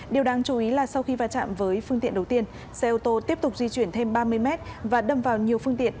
điều đáng chú ý là sau khi va chạm với phương tiện đầu tiên xe ô tô tiếp tục di chuyển thêm ba mươi m và đâm vào nhiều phương tiện